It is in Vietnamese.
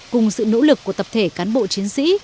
cùng sự nỗ lực của tập thể cán bộ chiến sĩ